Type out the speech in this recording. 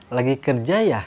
lagi kerja ya